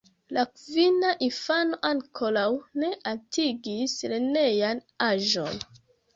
La kvina infano ankoraŭ ne atingis lernejan aĝon.